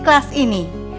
di kelas ini